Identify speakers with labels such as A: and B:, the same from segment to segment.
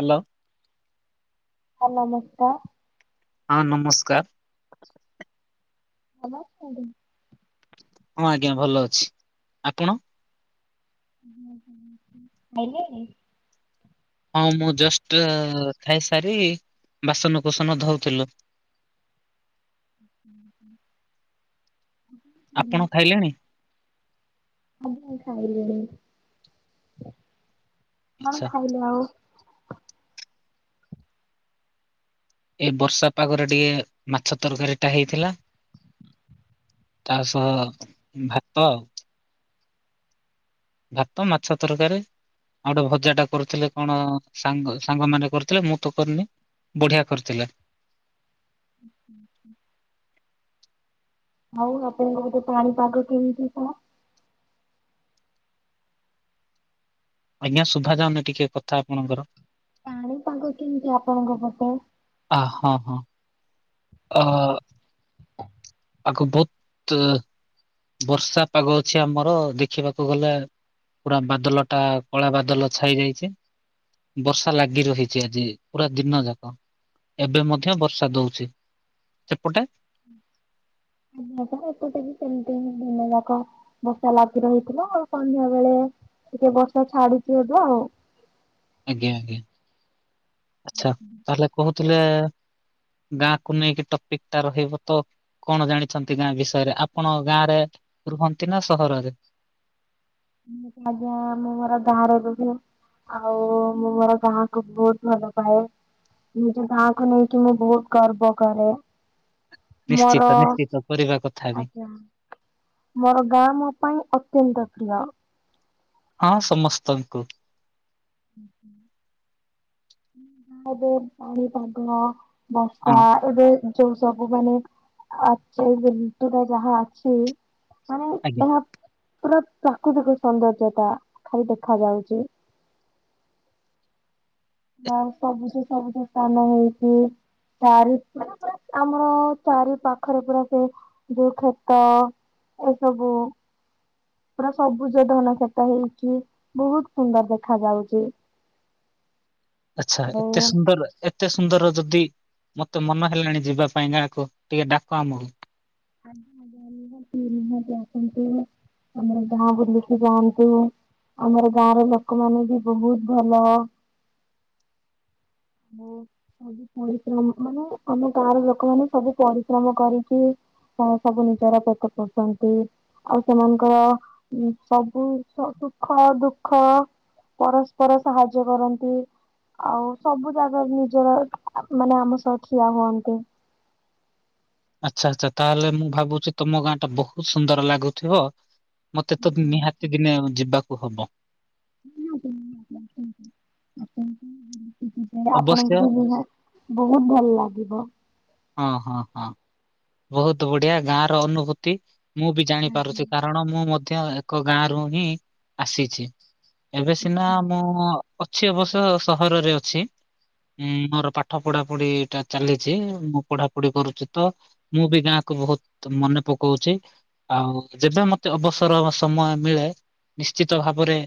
A: Hello.
B: ହଁ ନମସ୍କାର।
A: ହଁ ନମସ୍କାର।
B: ଭଲ ଅଛନ୍ତି?
A: ହଁ ଆଜ୍ଞା ଭଲ ଅଛି। ଆପଣ?
B: ଖାଇଲେ?
A: ହଁ ମୁଁ ଜଷ୍ଟ ଖାଇସାରି ବାସନ କୁସନ ଧଉଥିଲୁ।
B: ଉଁ ହୁଁ।
A: ଆପଣ ଖାଇଲେଣି?
B: ଆଜ୍ଞା ଖାଇଲିଣି। କଣ
A: ଆଚ୍ଛା
B: ଖାଇଲେ ଆଉ?
A: ଏ ବର୍ଷା ପାଗରେ ଟିକେ ମାଛ ତରକାରୀ ଟା ହେଇଥିଲା। ତା ସହ ଭାତ ଭାତ ମାଛ ତରକାରୀ। ଆଉ ଗୋଟେ ଭଜା ଟା କରୁଥିଲେ କଣ ସାଙ୍ଗ ସାଙ୍ଗ ମାନେ କରିଥିଲେ ମୁଁ ତ କରିନି। ବଢ଼ିଆ କରିଥିଲେ।
B: ଉଁ ହୁଁ ହୁଁ। ଆଉ ଆପଣଙ୍କ ପଟେ ପାଣିପାଗ କେମିତି କଣ?
A: ଆଜ୍ଞା ଶୁଭାଯାଉନି ଟିକେ କଥା ଆପଣଙ୍କର।
B: ପାଗ କେମିତି ଆପଣଙ୍କ ପଟେ?
A: ଆ ହଁ ହଁ। ଅଃ ପାଗ ବୋହୁତ ବର୍ଷା ପାଗ ଅଛି ଆମର ଦେଖିବାକୁ ଗଲେ ପୁରା ବାଦଲ ଟା କଳା ବାଦଲ ଛାଇ ଯାଇଛି। ବର୍ଷା ଲାଗି ରହିଛି ଆଜି ପୁରା ଦିନ ଯାକ। ଏବେ ମଧ୍ୟ ବର୍ଷା ଦଉଚି ସେପଟେ?
B: ଉମ୍ ଏପଟେ [unintelligible] ସେମତି ଦିନ ଯାକ। ବର୍ଷା ଲାଗି ରହିଥିଲା ଆଉ ସନ୍ଧ୍ୟା ବେଳେ ଟିକେ ବର୍ଷା ଛାଡୁଛି ଏବେ ଆଉ।
A: ଆଜ୍ଞା ଆଜ୍ଞା ଆଚ୍ଛା ତାହେଲେ କହୁଥିଲେ ଗାଁକୁ ନେଇକି ଟପିକ୍ ଟା ରହିବ ତ? କଣ ଜାଣିଛନ୍ତି ଗାଁ ବିଷୟରେ? ଆପଣ ଗାଁରେ ରୁହନ୍ତି ନା ସହରରେ?
B: ଆଜ୍ଞା ମୁଁ ମୋର ଗାଁ ରେ ରୁହେ। ଆଉ ମୁଁ ମୋର ଗାଁକୁ ବହୁତ୍ ଭଲ ପାଏ। ନିଜ ଗାଁକୁ ନେଇକି ମୁଁ ବହୁତ୍ ଗର୍ବ କରେ। ମର
A: ନିଶ୍ଚିତ ନିଶ୍ଚିତ କରିବା କଥା ବି
B: ଆଚ୍ଛା ମର ଗାଁ ମୋ ପାଇଁ ଅତ୍ୟନ୍ତ ପ୍ରିୟ।
A: ହଁ ସମସ୍ତଙ୍କୁ।
B: ଏବେ ପାଣି ପାଗ
A: ହଁ
B: ବର୍ଷା ଏବେ ଯୋଉ ସବୁ ମାନେ ଏବେ ଆକ୍ଚୁଆଲ ରେ ଋତୁଟା ଯାହା ଅଛି ମାନେ
A: ଆଜ୍ଞା।
B: ଏହା ପୁରା ପ୍ରାକୃତିକ ସୌନ୍ଦର୍ଯ୍ୟତା ଖାଲି ଦେଖା ଯାଉଚି। ନା ସବୁଠୁ ସବୁଠୁ ସାନ ହଉଚି ଚାରି ପା ଆମର ଚାରି ପାଖରେ ପୁରା ସେ ଯୋଉ କ୍ଷେତ ଏସବୁ ପୁରା ସବୁଜ ଧାନ କ୍ଷେତ ହେଇଚି ବହୁତ୍ ସୁନ୍ଦର ଦେଖା ଯାଉଚି।
A: ଆଚ୍ଛା
B: ଆଉ
A: ଏତେ ସୁନ୍ଦର? ଏତେ ସୁନ୍ଦର ଯଦି ମତେ ମନ ହେଲାଣି ଯିବା ପାଇଁ ଗାଁକୁ ଟିକେ ଡାକ ଆମକୁ।
B: [unintelligible] ଆସନ୍ତୁ। ଆମର ଗାଁ ବୁଲିକି ଯାଆନ୍ତୁ। ଆମର ଗାଁ ର ଲୋକମାନେେ ବି ବହୁତ୍ ଭଲ। ମୁଁ ସବୁ ପରିଶ୍ରମ ମାନେ ଆମ ଗାଁ ର ଲୋକମାନେ ସବୁ ପରିଶ୍ରମ କରିକି କଣ ସବୁ ନିଜର [unintelligible] ଚନ୍ତି। ଆଉ ସେମାନଙ୍କର ଉମ୍ ସବୁ ଖ ସୁଖ ଦୁଃଖ ପରସ୍ପର ସାହାଯ୍ୟ କରନ୍ତି। ଆଉ ସବୁ ଜାଗାରେ ନିଜର ମାନେ ଆମ ସହ ଠିଆ ହୁଅନ୍ତି।
A: ଆଚ୍ଛା ଆଚ୍ଛା ତାହେଲେ ମୁଁ ଭାବୁଚି ତୁମ ଗାଁ ଟା ବହୁତ୍ ସୁନ୍ଦର ଲାଗୁଥିବ। ମତେ ତ ନିହାତି ଦିନେ ଉ ଯିବାକୁ ହବ। ଅବଶ୍ୟ
B: ଆପଣଙ୍କୁ ବି [unintelligible] ବହୁତ୍ ଭଲ୍ ଲାଗିବ।
A: ଅଁ ହଁ ହଁ ବହୁତ୍ ବଢିଆ ଗାଁ ର ଅନୁଭୂତି। ମୁଁ ବି ଜାଣିପାରୁଛି କାରଣ ମୁଁ ମଧ୍ୟ ଏକ ଗାଁ ରୁ ହିଁ ଆସିଛି। ଏବେ ସିନା ମୁଁ ଅଛି ଅବଶ୍ୟ ସହରରେ ଅଛି। ଉଁ ମୋର ପାଠ ପଢା ପଢିଟା ଚାଲିଛି ମୁଁ ପଢାପଢି କରୁଚି ତ ମୁଁ ବି ଗାଁକୁ ବହୁତ୍ ମନେ ପୋକଉଛି। ଆଉ ଯେବେ ମତେ ଅବସର ବା ସମୟ ମିଳେ ନିଶ୍ଚିତ ଭାବରେ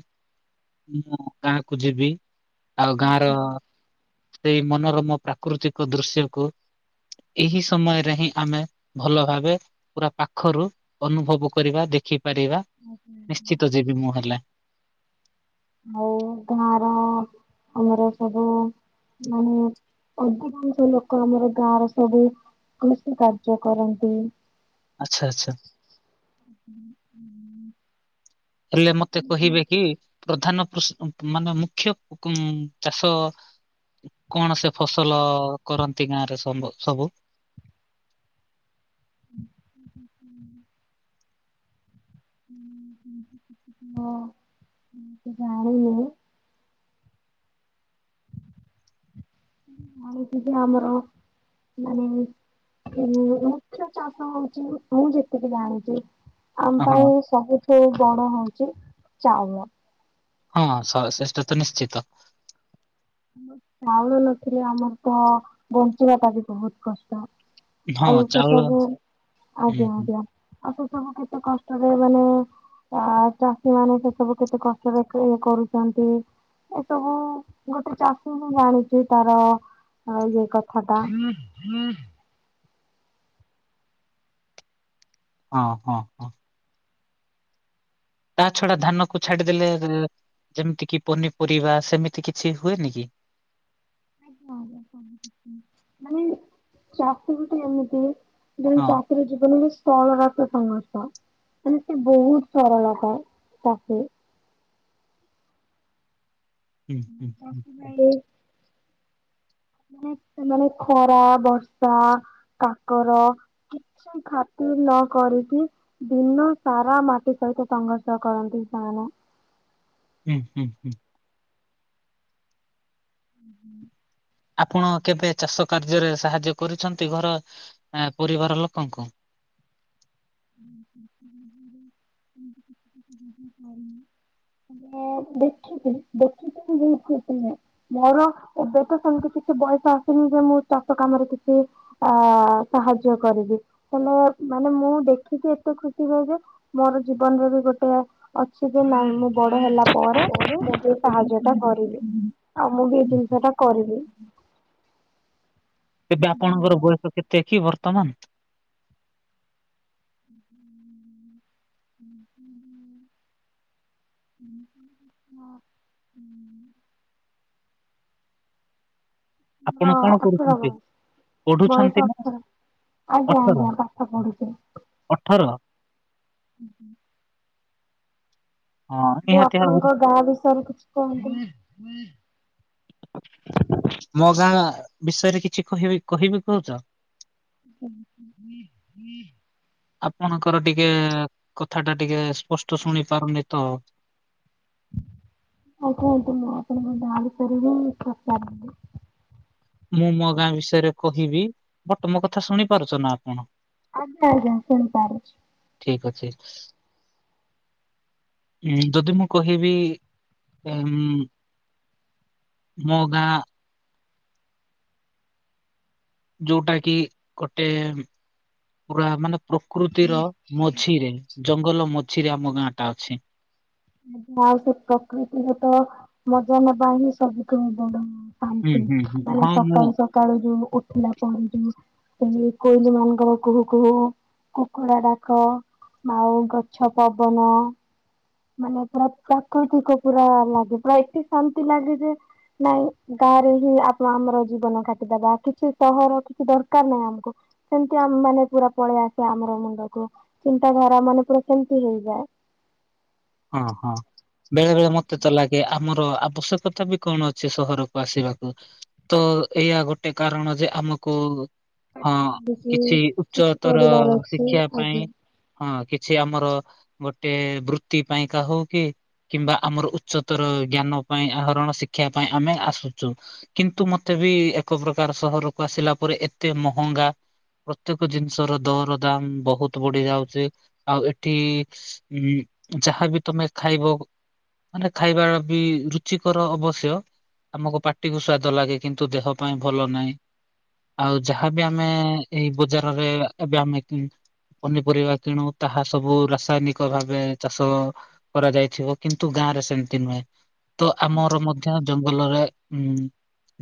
A: ମୁଁ ମୋ ଗାଁକୁ ଯିବି। ଆଉ ଗାଁ ର ଏଇ ମନୋରମ ପ୍ରାକୃତିକ ଦୃଶ୍ୟକୁ ଏହି ସମୟରେ ହିଁ ଆମେ ଭଲ ଭାବେ ପୁରା ପାଖରୁ ଅନୁଭବ କରିବା ଦେଖିପାରିବା।
B: ହ ହ ହଁ
A: ନିଶ୍ଚିତ ଯିବି ମୁଁ [inaudible]
B: ଆଉ ଗାଁ ର ଆମର ସବୁ ମାନେ ଅଧିକାଂଶ ଲୋକ ଆମର ଗାଁର ସବୁ କୃଷି କାର୍ଯ୍ୟ କରନ୍ତି।
A: ଆଚ୍ଛା ଆଚ୍ଛା।
B: ହ ହୁଁ।
A: ହେଲେ ମତେ କହିବେ କି ପ୍ରଧାନ କୃ ମାନେ ମୁଖ୍ୟ ଉ ଚାଷ କଣ ସେ ଫସଲ କରନ୍ତି ଗାଁରେ ସ ସବୁ?
B: ହୁଁ ହଁ ଜାଣି ଲିଣି ଆଉ କିଛି ଆମର ମାନେ ଉଁ ମୁଖ୍ୟ ଚାଷ ହଉଛି ମୁଁ ଯେତିକି ଜାଣିଛି ଆମ ପାଇଁ
A: ହଁ
B: ସବୁଠୁ ବଡ଼ ହଉଛି ଚାଉଳ
A: ହଁ ସ ସେଟା ତ ନିଶ୍ଚିତ।
B: ଆ ଚାଉଳ ନଥିଲେ ଆମର ତ ବଞ୍ଚିବା ଟା ବି ବହୁତ କଷ୍ଟ।
A: ହଁ
B: ଆଉ ସେ
A: ଚାଉଳ
B: ସବୁ
A: ହୁଁ
B: ଆଜ୍ଞା
A: ହୁଁ
B: ଆଜ୍ଞା ଆଉ ସେ ସବୁ କେତେ କଷ୍ଟରେ ମାନେ। ଆ ଚାଷୀ ମାନେ ସେ ସବୁ କେତେ କଷ୍ଟରେ କେ କରୁଛନ୍ତି ଏସବୁ। ଗୋଟେ ଚାଷୀ ହିଁ ଜାଣିଛି ତାର ଇଏ କଥାଟା।
A: ହଁ ହଁ ହଁ। ତା ଛଡା ଧାନ କୁ ଛାଡିଦେଲେ ଯେମିତି କି ପନିପରିବା ସେମିତି କିଛି ହୁଏନି କି।
B: ହଁ ମାନେ ଚାଷୀ ବି ତ ଏମିତି ଯ
A: ହଁ
B: ଚା ସି ଜୀବନ ବି ସଳ ରା ସଂଘର୍ଷ। ମାନେ ସେ ବହୁତ ସରଳତା ତାକୁ।
A: ହୁଁ ହୁଁ ହୁଁ
B: ଚାଷୀ
A: ହଁ।
B: ନାଇ ସେମାନେ ଖରା ବର୍ଷା କାକର। କିଛି ବି ଖାତିରି ନ କରିକି। ଦିନ ସାରା ମାଟି ସହିତ ସଂଘର୍ଷ କରନ୍ତି ସେମାନେ।
A: ହୁଁ ହୁଁ ହୁଁ।
B: ହୁଁ।
A: ଆପଣ କେବେ ଚାଷ କାର୍ଯ୍ୟରେ ସାହାଯ୍ୟ କରିଛନ୍ତି ଘର ଆ ପୁରିବାର ଲୋକଙ୍କୁ।
B: ହ। [unintelligible] ମୁଁ ଦେଖିଥିଲି ଦେଖିଥିଲ ମୁ ବହୁତ ଖିସି ନୁହେଁ ମୋର ଏବେ ତ ସେମିତି କିଛି ବୟସ ଆସିନି ଯେ ମୁଁ ଚାଷ କାମରେ କିଛି। ଅ ସାହାଯ୍ୟ କରିବି ହେଲେ ମାନେ ମୁଁ ଦେଖିକି ଏତେ ଖୁସି ହୁଏ ଯେ। ମୋର ଜୀବନରେ ବି ଗୋଟେ। ଅଛି ଯେ ନାଇଁ ମୁଁ ବଡ ହେଲା ପରେ ମୁଁ ସେ ସାହାଯ୍ୟ ଟା କରିବି। ଆଉ ମୁଁ ବି ଏଇ ଜିନିଷ ଟା କରିବି।
A: ଏବେ ଆପଣଙ୍କର ବୟସ କେତେ କି ବର୍ତ୍ତମାନ?
B: ହୁଁ। ହଁ ହୁଁ। ହଁ। ହୁଁ।
A: ଆପଣ
B: ହଁ
A: କଣ
B: ଅଠର
A: କରୁଛନ୍ତି?
B: ବୟସ ବୟସ
A: ପଢୁଛନ୍ତି ନା
B: ଅଠର। ଆଜ୍ଞା
A: ଅଠର
B: ଆଜ୍ଞା ପାଠ ପଢୁଛି।
A: ଅଠର।
B: ହୁଁ ହୁଁ।
A: ହଁ
B: ମୁଁ
A: ନିହାତି ଭାବରେ
B: ଆପଣଙ୍କ ଗାଁ ବିଷୟରେ କିଛି କୁହନ୍ତୁ।
A: ମୋ ଗାଁ ବିଷୟରେ କିଛି କହିବି କହିବି କହୁଚ।
B: ହୁଁ।
A: ଆପଣଙ୍କର ଟିକେ କଥା ଟା ଟିକେ ସ୍ପଷ୍ଟ ଶୁଣି ପାରୁନି ତ।
B: ଆଜ୍ଞା ଆଜ୍ଞା ମୁଁ ଆପଣଙ୍କ ଗାଁ ବିଷୟ ରେ ବି ପଚାରୁଛି।
A: ମୁଁ ମୋ ଗାଁ ବିଷୟରେ କହିବି ବଟ୍ ମୋ କଥା ଶୁଣି ପାରୁଛ ନା ଆପଣ।
B: ଆଜ୍ଞା ଆଜ୍ଞାୁ ଶୁଣି ପାରୁଛି।
A: ଠିକ୍ ଅଛି। ଉଁ ଯଦି ମୁଁ କହିବି ଉଁ ମୋ ଗାଁ ଯୋଉଟା କି ଗୋଟେ ପୁରା ମାନେ ପ୍ରକୃତିର ମଝିରେ। ଜଙ୍ଗଲ ମଝିରେ ଆମ ଗାଁ ଟା ଅଛି।
B: ଆଉ ସେ ପ୍ରକୃତିରେ ତ ମଜା ନବା ହିଁ ସବୁଠାରୁ ବଡ।
A: ହୁଁ
B: ପାନ୍ତି
A: ହୁଁ ହୁଁ।
B: ତାହେଲେ
A: ହଁ ମୁଁ
B: ସକାଳୁ ସକାଳୁ ଯୋଉ ଉଠିଲା ପରେ ଯୋଉ ଉଁ କୋଇଲି ମାନଙ୍କର କୁହୁ କୁହୁ କୁକୁଡା ଡାକ। ଆଉ ଗଛ ପବନ ମାନେ ପୁରା ପ୍ରାକୃତିକ ପୁରା ଲାଗେ ପୁରା [unintelligible] ଶାନ୍ତି ଲାଗେ ଯେ ନାଇଁ ଗାଁରେ ହିଁ ଆତ୍ମା ଆମର ଜୀବନ କାଟିଦବା କିଛି ସହର କିଛି ଦରକାର ନାହିଁ ଆମକୁ। ସେମତି ଆମେ ମାନେ ପୁରା ପଳେଇ ଆସୁ ଆମର ମୁଣ୍ଡକୁ ଚିନ୍ତାଧାରା ମାନେ ପୁରା କେମିତି ହେଇଯାଏ।
A: ହଁ ହଁ ବେଳେ ବେଳେ ମତେ ତ ଲାଗେ ଆମର ଆବଶ୍ୟକ ତା ବିି କଣ ଅଛି ସହରକୁ ଆସିବାକୁ ତ ଏଇଆ ଗୋଟେ କାରଣ ଯେ ଆମକୁ ହଁ କିଛି ଉଚ୍ଚ
B: କିଛି
A: ତର
B: କରିବାର ଅଛି
A: ଶିକ୍ଷା ପାଇଁ
B: ଆଜ୍ଞା।
A: ହଁ କିଛି ଆମର ଗୋଟେ ବୃତ୍ତି ପାଇଁକା ହଉ କି କିମ୍ବା ଆମର ଉଚ୍ଚତର ଜ୍ଞାନ ପାଇଁ ଆହରଣ ଶିକ୍ଷା ପାଇଁ ଆମେ ଆସୁଛୁ। କିନ୍ତୁ ମତେ ବି ଏକ ପ୍ରକାର ସହରକୁ ଆସିଲା ପରେ ଏତେ ମହଙ୍ଗା ପ୍ରତ୍ୟକ ଜିନିଷ ର ଦର ଦାମ ବହୁତ ବଢି ଯାଉଛି ଆଉ ଏଠି ଉଁ ଯାହା ବି ତମେ ଖାଇବ ମାନେ ଖାଇବା ବି ରୁଚିକର ଅବଶ୍ୟ ଆମକୁ ପାଟିକୁ ସ୍ଵାଦ ଲାଗେ କିନ୍ତୁ ଦେହ ପାଇଁ ଭଲ ନାହିଁ। ଆଉ ଯାହାବି ଆମେ ଏଇ ବଜାରରେ ଏବେ ଆମେ କି ପନିପରିବା କିଣୁ ତାହା ସବୁ ରାସାୟନିକ ଭାବେ ଚାଷ କରାଯାଇଥିବ କିନ୍ତୁ ଗାଁ ରେ ସେମିତି ନୁହେଁ ତ ଆମର ମଧ୍ୟ ଜ ଭଲରେ ଉଁ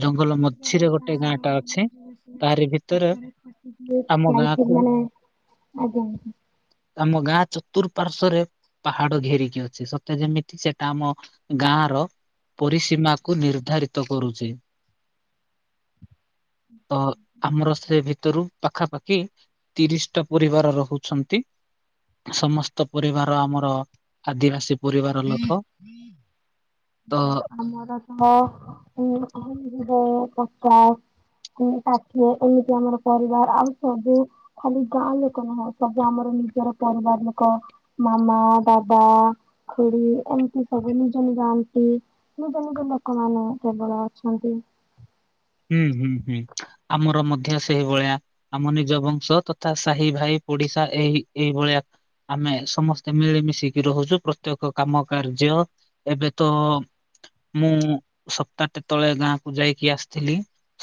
A: ଜଙ୍ଗଲ
B: ନିଜର
A: ମଝିରେ ଗୋଟେ
B: ଗାଁ
A: ଟା ଅଛି ତାହାରି ଭିତରେ
B: ର [inaudible]
A: ଆମ
B: ଖାଇଥିଲ
A: ଗାଁକୁ
B: ମାନେ ଆଜ୍ଞା ଆଜ୍ଞା।
A: ଆମ ଗାଁ ଚତୁରପାର୍ଶ୍ୱ ରେ ପାହାଡ ଘେରିକି ଅଛି ସତେ ଯେମିତି ସେଟା ଆମ ଗାଁ ର ପରିସୀମାକୁ ନିର୍ଦ୍ଧାରିତ କରୁଛି। ତ ଆମର ସେ ଭିତରୁ ପାଖାପାଖି ତିରିଶି ଟା ପରିବାର ରହୁଛନ୍ତି ସମସ୍ତ ପରିବାର ଆମ ର ଆଦିବାସୀ ପରିବାର ଲୋକ। ତ
B: ଆମର ସହ ଉଁ ଉଁ ଯିବେ ପଚାଶ ଉଁ ଷାଠିଏ ଏମିତି ଆମର ପରିବାର ଆଉ ସବୁ ଖାଲି ଗାଁ ଲୋକ ନୁହଁ, ସବୁ ଆମର ନିଜର ପରିବାର ଲୋକ ମାମା, ଦାଦା, ଖୁଡି ଏମିତି ସବୁ ନିଜ ନିଜ ତି ନିଜ ନିଜ ଲୋକମାନେ କେବଳ ଅଛନ୍ତି।
A: ହୁଁ- ହୁଁ- ହୁଁ ଆମର ମଧ୍ୟ ସେଇଭଳିଆ। ଆମ ନିଜ ବଂଶ, ତଥା ସାହି ଭାଇ ପଡିଶା ଏହି ଏଇଭଳିଆ ଆମେ ସମସ୍ତେ ମିଳିମିଶିକି ରହୁଛୁ, ପ୍ରତ୍ୟେକ କାମ କାର୍ଯ୍ୟ ଏବେ ତ ମୁଁ ସପ୍ତାହଟେ ତଳେ ଗାଁକୁ ଯାଇକି ଆସିି ଥିଲି,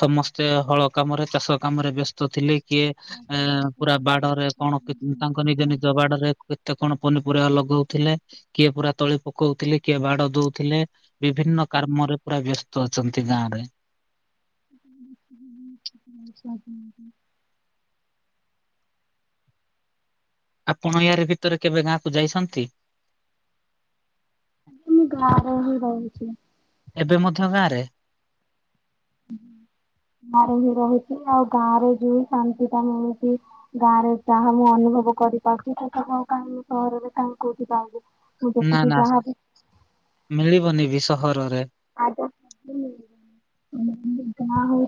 A: ସମସ୍ତେ ହଳ କାମରେ ଚାଷ କାମରେ ବ୍ୟସ୍ ତ ଥିଲେ, କିଏ ଏ ପୁରା ବାଡରେ କଣ ତାଙ୍କ ନିଜ ନିଜ ବାଡରେ କେତେ କଣ ପନିପରିବା ଲଗଉଥିଲେ, କିଏ ପୁରା ତଳି ପକଉଥିଲେ, କିଏ ବାଡ ଦଉଥିଲେ। ବିଭିନ୍ନ କାର୍ମରେ ପୁରା ବ୍ୟସ୍ତ ଅଛନ୍ତି ଗାଁରେ।
B: ହୁଁ- ହୁ। ଆଚ୍ଛା [unintelligible]
A: ଆପଣ ୟାର ଭିତରେ କେବେ ଗାଁକୁ ଯାଇଛନ୍ତି?
B: ମୁଁ ଗାଁରେ ହିଁ ରହୁଛି।
A: ଏବେ ମଧ୍ୟ ଗାଁ ରେ? [inaudible]
B: ଗାଁରେ ହିଁ ରହିଛି, ଆଉ ଗାଁରେ ଯୋଉ ଶାନ୍ତି ଟା ମିଳୁଛି ଗାଁରେ ଯାହା ମୁଁ ଅନୁଭବ କରିପାରୁଛି, ସେ ସବୁ ଆଉ କାହିଁ ସହରରେ କାହିଁ କୋଉଠି ପାଇବି? ମୁଁ
A: ନାଁ -
B: ଯେତିକି
A: ନାଁ
B: ଯାହାବି
A: ମିଳିବନି ବି ସହରରେ।
B: ଆ ଯା ହଉଛି ହଉ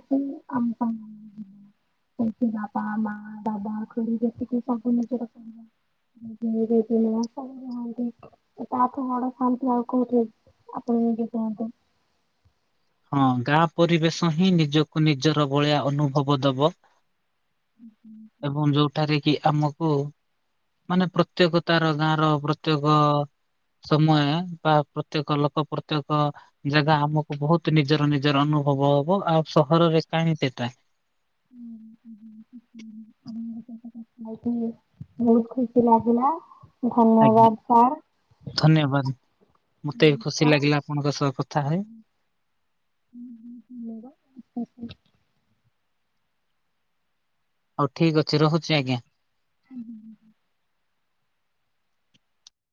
B: ଆମ କାମ ଆଗ ସେ ଫ ବାପା, ମା, ଦାଦା, ଖୁଡ଼ି ଯେତିକି ସବୁ ନିଜର [unintelligible] [unintelligible] ତା ଠୁ ବଡ଼ ଶାନ୍ତି ଆଉ କୋଉଠି ଆପଣ ନିଜେ କୁହନ୍ତୁ?
A: ହଁ ଗାଁ ପରିବେଶ ହିଁ ନିଜକୁ ନିଜର ଭଳିଆ ଅନୁଭବ ଦବ। ଏବଂ ଯୋଉଠାରେ କି ଆମକୁ ମାନେ ପ୍ରତ୍ୟେକ ତାର ଗାଁର ପ୍ରତ୍ୟେକ ସମୟ ବା ପ୍ରତ୍ୟେକ ଲୋକ ପ୍ରତ୍ୟେକ ଜାଗା ଆମକୁ ବହୁତ ନିଜର ନିଜର ଅନୁଭବ ହବ, ଆଉ ସହରରେ କାହିଁ ସେଟା?
B: [unintelligible] କଥା ହେଇ କି ବହୁତ ଖୁସି ଲାଗିଲା। ଧନ୍ୟବାଦ
A: ଆଜ୍ଞା
B: ସାର୍।
A: ଧନ୍ୟବାଦ ମତେ ବି ଖୁସି ଲାଗିଲା ଆପଣଙ୍କ ସହ କଥା ହୋଇ।
B: ହୁଁ - ହୁଁ -ମୁଁ ବା [unintelligible]
A: ହଉ ଠିକ୍ ଅଛି ରହୁଛି ଆଜ୍ଞା।
B: ହୁଁ - ହୁଁ।